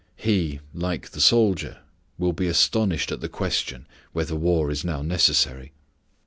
He, like the soldier, will be astonished at the question, whether war is now necessary.